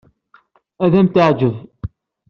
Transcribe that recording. Ad am-teɛjeb.